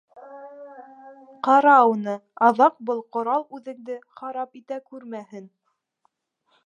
— Ҡара уны, аҙаҡ был ҡорал үҙеңде харап итә күрмәһен.